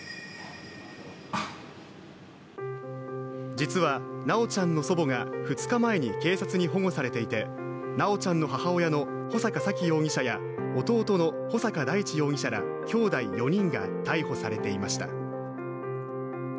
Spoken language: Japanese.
実は修ちゃんの祖母が２日前に警察に保護されていて、修ちゃんの母親の穂坂沙喜容疑者や弟の穂坂大地容疑者らきょうだい４人が逮捕されていました。